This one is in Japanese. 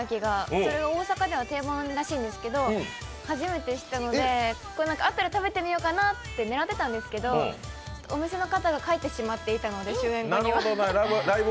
それが大阪では定番らしいんですけど、初めて知ったので、あったら食べてみようかなと狙ってたんですがお店の方が帰ってしまっていたので、終演後には。